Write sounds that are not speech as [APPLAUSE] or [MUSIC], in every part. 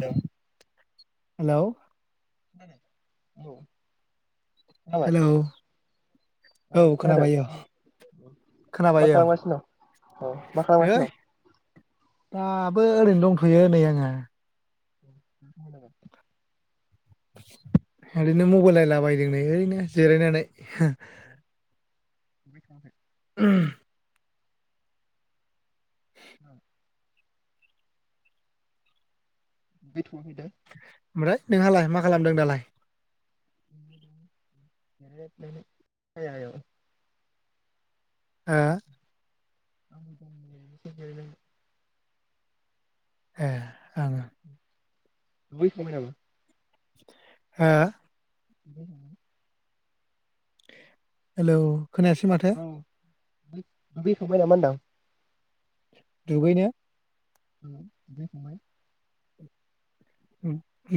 Hello hello औ खोनाबाय hello औ खोनाबायो मा खोनाबायो खालामगासिनो दं औ मा खालामगासिनो ओइ दं? दाबो ओरैनो दंथ'यो नै आङो [UNINTELLIGIBLE] ओरैनो मबाइल नायलाबायदों नै ओरैनो जिरायनानै। [UNINTELLIGIBLE] [INAUDIBLE] औ [UNINTELLIGIBLE] [UNINTELLIGIBLE] ओमफ्राय नोंहालाय मा खालामदों दालाय? [UNINTELLIGIBLE] हो [UNINTELLIGIBLE] ए ओं [UNINTELLIGIBLE] हा [INAUDIBLE] हेलौ खोनायासै माथो औ [UNINTELLIGIBLE] दुगैनो [UNINTELLIGIBLE]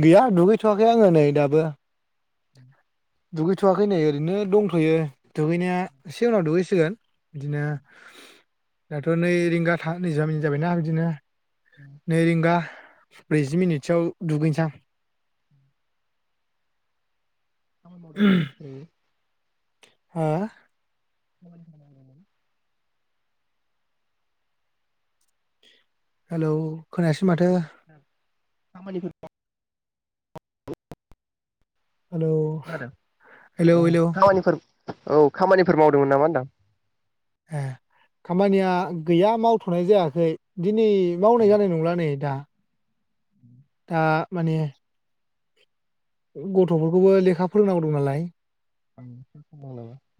गैया दुगैथ'वाखै आङो नै दाबो। [INAUDIBLE] दुगैथ'वाखै नै ओरैनो दंथ'यो दुगैनाया एसे उनाव दुगैसिगोन बिदिनो दाथ' नै रिंगा नैजामि जाबायना बिदिनो। नै रिंगा ब्रैजि मिनिटसोआव दुगैनोसां। [UNINTELLIGIBLE] हा [UNINTELLIGIBLE] हेलौ खोनायासै माथो खामानि [UNINTELLIGIBLE] हेल' हेल' हेल' खामानिफोर औ खामानिफोर मावदोंमोन नामा होनदां आं ए खामानिया गैया मावथ'नाय जायाखै दिनै औ मावनाय जानाय नंला नै दा दा माने गथ'फोरखौबो लेखा फोरोंनांगौ दं नालाय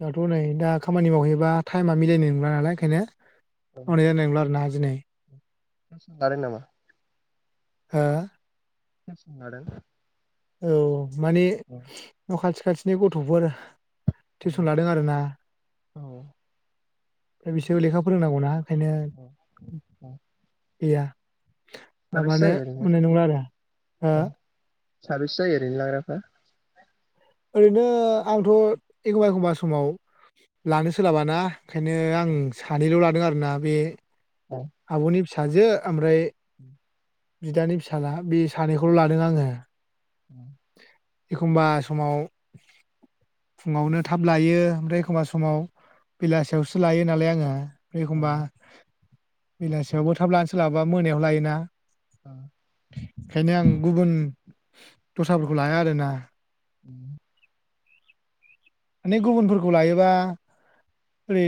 दाथ' नै दा खामानि मावहैबा टाइमा मिलायनाय नंला नालाय ओंखायनो [UNINTELLIGIBLE] दिनै [UNINTELLIGIBLE] नामा हा [UNINTELLIGIBLE] औ मानि औ न खाथि खाथिनि गथ'फोर टिउसन लादों आरोना औ दा बिसोर लेखा फोरोंनांगौना ओंखायनो औ औ गैया साबेसे माबानो जायो ओरैनो मोननाय नंला आरो साबैसे जायो ओरैनो लाग्राफोरा ओरैनो आंथ' एखमबा एखमबा समाव लानो सोलाबाना ओंखायनो आं औ सानैल' लादों आरो ना बे आबनि फिसाजो ओमफ्राय उम बिदानि फिसाला बे सानैखौल' लादों आङो [INAUDIBLE] एखमबा समाव फुङावनो थाब लायो ओमफ्राय एखमबा समाव बेलासियावसो लायो नालाय आङो औ एखमबा बेलासियावबो थाब लानो सोलाबा मोनायाव लायोना बेखायनो आं गुबुन दस्राफोरखौ लाया आरोना उम माने गुबुनफोरखौ लायोबा ओरै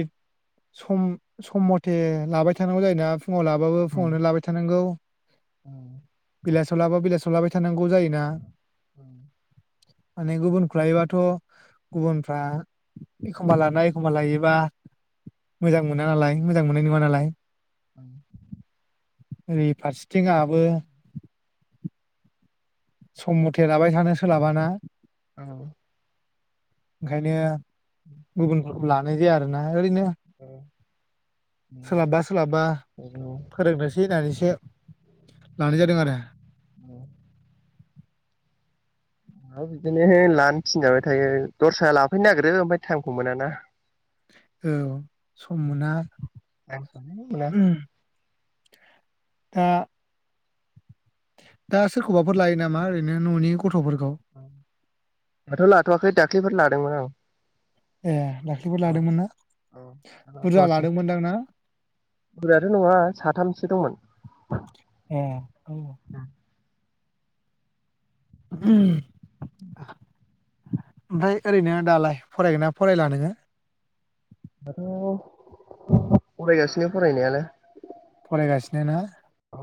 सम सम मथे लाबाय थानांगौ जायोना फुङाव लाबाबो औ फुङावनो लाबाय थानांगौ [UNINTELLIGIBLE] बेलासेयावनो लाबाय थांगौ गौ जायोना औ माने गुबुनखौ लायोबाथ' गुबुनफ्रा एखमबा लानाय एखमबा लायोबा मोजां मोना नालाय मोजां मोननाय नङा नालाय औ ओरै फारसेथिंआहाबो सम मथे लाबाय थानो सोलाबाना औ ओंखायनो गुबुन लानाय जाया आरो ना ओरैनो सोलाबबा सोलाबबा फोरोंनोसै होननानैसो लानाय जादों आरो ओं बिदिनो लानो थिनजाबाय थायो दस्रा लाफैनो नागिरो ओमफ्राय टाइमखौ मोनाना औ सम मोना टाइमखौनो मोना उम दा दा सोरखौबाफोर लायो नामा ओरैनो न'नि गथ'फोरखौ थ'वाखै दाख्लैफोर लादोंमोन आं ए दाखैफोर औ लादोंमोन ना औ बुरजा लाथ'वासै लादों मोनदां दा बुरजायाथ' नङा साथामसो दंमोन ए औ दाथ' ओमफ्राय ओरैनो दालाय फरायगोन ना फरायला नोङो दाथ' फरायगासिनो फरायनायालाय फरायगासिनो ना औ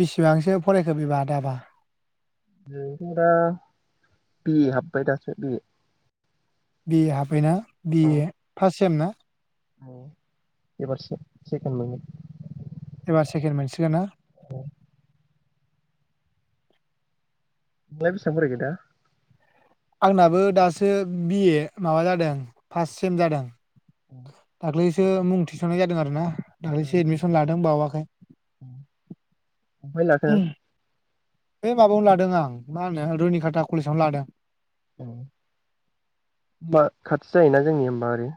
बिसिबांसो फरायखो बिबा दाबा बेनोथ'' दा बिए हाबबाय दासो बिए बिए हाबबायना बिए फार्स्ट सेम ना एबार सेख सेखेन मोनगोन एबार सेकेनड मोनसिगोन ना बिदाया बेसेबां फरायखो दा आंनाबो दासो बिए माबा जादों फार्स्ट सेम जादों औ दाख्लैसो मुं थिसननाय जादों आरो ना दाख्ललिसो एदमिसन लादों बावाखै बबेहाय लाखो उम बे माबायावनो लादों आं मा होनो रुनिकाटा कलेजावनो लादों ओ होनबा खाथि जायोना जोंनि होमबा ओरै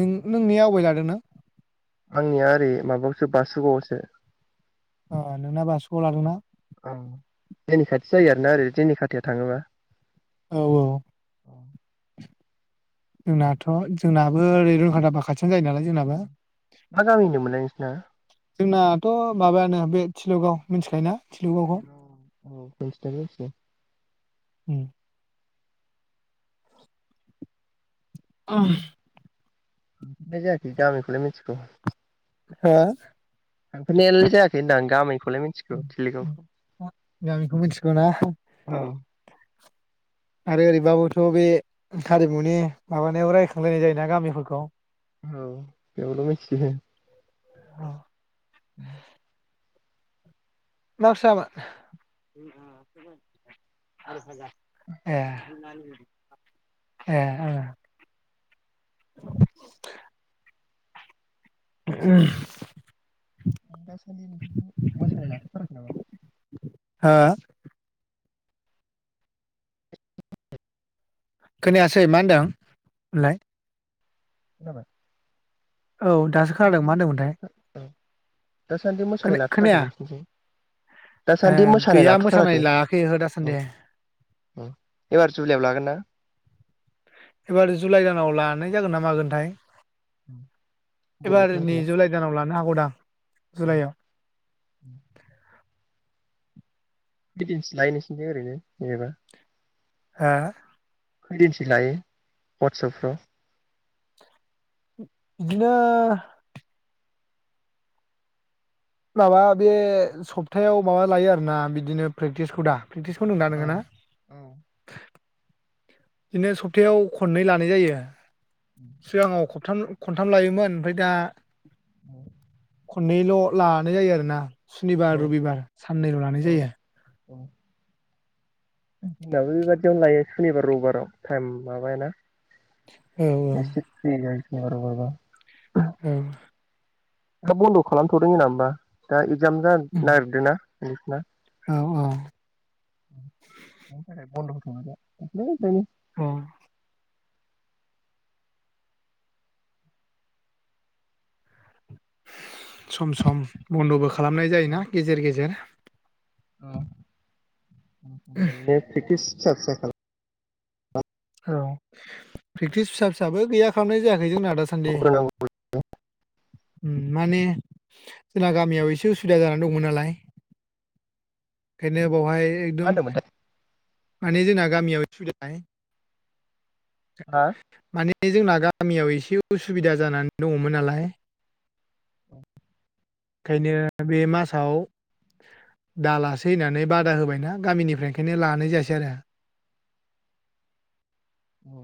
नों नोंनिया वबाहाय लादों नो आंनिया ओरै माबायावसो बासुगावआवसो अ नोंना बासुगावआव लादोंना? औ जोंनि खाथि जायो आरोना ओरै जोंनि खाथियाव थाङोबा। औ औ जोंनाथ' जोंनाबो ओरै रुनिखाथाबा खाथिनो जायो नालाय जोंनाबो। मा गामि होनो मोनलाय नोंसिना? जोंनाथ' माबायानो बे थिल'गाव मिथिखायो ना? थिल' गाव औ मिथिनायालाय मोनथियो। उम [UNINTELLIGIBLE] थांनाय जायाखै गामिखौलाय मिथिगौ हो थांफेरनायलाय जायाखै गामि गामिखौ मिथिगौ ना आरो ओरैबाबोथ' बे हारिमुनि माबानायाव रायखांलायनाय जायोना गामिफोरखौ औ एवल मिथि औ [INAUDIBLE] [UNINTELLIGIBLE] ए ए [INAUDIBLE] [UNINTELLIGIBLE] हा खोनायासै मा होनदों होनलाय। खोनाबाय औ दासो दासान्दि खोनादों मा मोसानाय होनदोंमोनथाय। लाथ'थार औ दासान्दि मोसानाय खोनाया लाथ'थाराखै नोंसोर ए गैया मोसानाय लायाखै हो उम दासानदिहाय। उम एबार जुलायाव लागोन ना? एबार जुलाइ दानाव लानाय जागोन ना मागोनथाय। एबार बर'थ' नै आरोना जुलाइ दानाव ला नोहागौदां [INAUDIBLE] बिदिनोसो लायनोसि द ओरैनो जेनेबा। हो कोइ दिनसो लायो वाट्सएपफ्राव? बिदिनो माबा बे सप्थायाव माबा लायो आरोना बिदिनो प्रेक्टिसखौ दा प्रेक्टिसखौ ओनदों औ नोङो ना? औ बिदिनो सब्थायाव खननै लानाय जायो सिगाङाव खबथाम खनथाम लायोमोन ओमफ्राय दा औ खननैल' लानाय जायो आरो ना औ सुनिबार रबिबार साननैल' लानाय जायो औ जोंनाबो बेबदियावनो लायो सुनिबार रबिबाराव टाइम माबाय ना औ [UNINTELLIGIBLE] [UNINTELLIGIBLE] औ दा बन्द' खालामथ'दों जा होमबा दा एगजाम जा नागिरदों ना [UNINTELLIGIBLE] औ औ [UNINTELLIGIBLE] औ सम सम बन्द' बो खा खालामनाय जायोना गेजेर गेजेर औ [UNINTELLIGIBLE] आसा आसा खालाम औ प्रेक्टिस फिसा फिसाबो गैया खालामनाय जाया खै जोंना दासान्दि खालामग्रोनांगौ माने जोंना गामियाव एसे उसुबिदा जानानै दंमोन नालाय ओंखायनो बावहाय मा एकदम होनदोंमोनथाय माने जोंना गामियाव [INAUDIBLE] सुदाय हा मानिे माने जोंना [INAUDIBLE] गामियाव [INAUDIBLE] एसे उसुबिदा जानानै दङमोन नालाय ओंखायनो बे मासाव दालासै होननानै बादा होबायना गामिनिफ्राय ओंखायनो लानाय जायासै आरो औ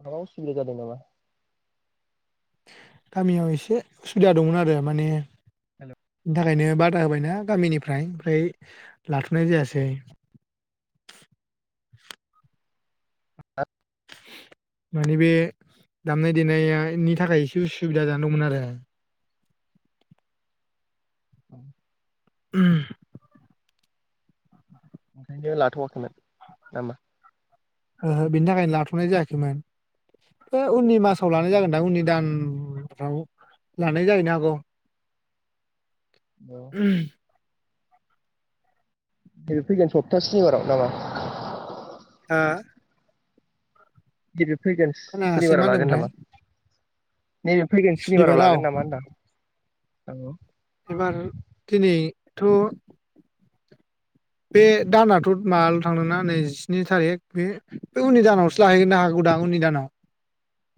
अ उसुबिदा जादों नामा गामियाव एसे उसुबिदा दंमोन आरो माने हेल' बिनि थाखायनो बादा होबायना गामिनिफ्राय ओमफ्राय लाथ'नाय जायासै आ माने बे दामनाय देनायनि थाखाय एसे उसुबिदा जानानै दंमोन आरो औ [INAUDIBLE] ओंखायनो लाथ'वाखैमोन नङा होनबा ओ बेनि थाखायनो लाथ'नाय जायाखैमोन बे उननि मास फ्राव लानाय जागोनदा उननि दान राव लानाय जाहैनो हागौ [INAUDIBLE] फैगोन सप्तासेनि बाराव नामा हा [INAUDIBLE] फैगोन खोनायासै मा सुनिबाराव लागोन होनदोंमोनथाय नामा नैबे फैगोन सुनिबाराव लागोन नामा होनदां औ थ' बे दानाथ' माबाल' थांदों ना नैजिनि थारिख बे बे उननि दानावसो लाहैनो हागौ दां उननि दानाव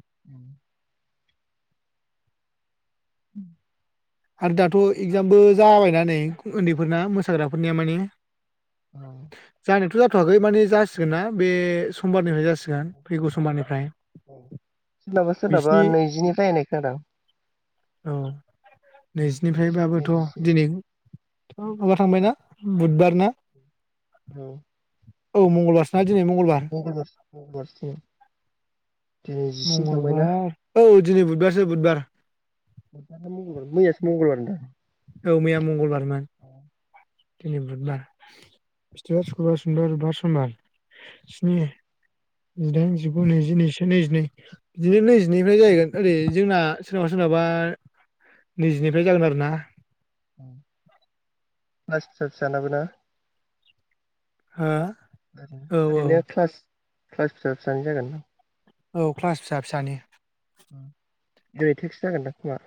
[INAUDIBLE] [INAUDIBLE] आरो दाथ' एगजामबो जाबायना नै उन्दैफोरना मोसाग्राफोरनिया माने औ जानायाथ' जाथ'वाखै माने जासिगोन ना बे समबारनिफ्राय जासिगोन दां फैगौ समबारनिफ्राय औ सोरनाबा सोरनाबा बिसिनि नैजिनिफ्राय होननाय खोनादां औ नैजिनिफ्रायबाबोथ' दिनै थ' माबा थांबायना बुधबार ना औ औ मंगलबार सोना दि दिनै मंगलबार मंगलबारसो खोमा मंगलबार औ दिनै बुधबारसो बुधबार बुधबार ना मंगलबार मैयासे मंगलबार दा औ मैया मंगलबारमोन दिनै बुधबार बिस्थिबार सुक्रबार सुनिबार रुबबार समबार स्नि जिदाइन जिगु नैजि नैजिसे नैजिनै बिदिनो नैजिनैनिफ्राय जाहैगोन ओरै जोंना सोरनाबा सोरनाबा नैजिनिफ्राय जागोन आरो ना क्लास फिसा फिसानाबो ना हो औ ओरैनो ओरैनो औ क्लास क्लास फिसा फिसानि जागोन दां औ क्लास फिसा फिसानि दिनै थेक्स जागोन दां खोमा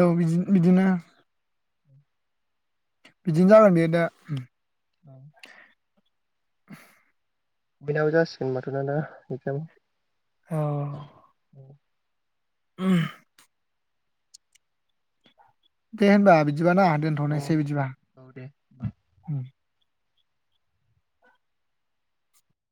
औ बिदि बिदिनो बिदिनो जागोन बे दा औ [UNINTELLIGIBLE] बेनाबो जासिगोन होबाथ' ना दा एकजाम औ औ [UNINTELLIGIBLE] दे होमबा बिदि बिदिबा ना औ दोनथ'नोसै बिदिबा औ दे उम